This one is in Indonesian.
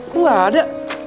kok gak ada